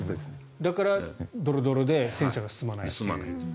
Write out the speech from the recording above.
だから、ドロドロで戦車が進まないという。